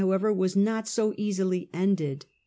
however, was not so easily ended.